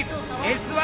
「Ｓ−１」